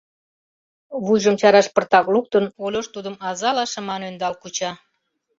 Вуйжым чараш пыртак луктын, Ольош тудым азала шыман ӧндал куча.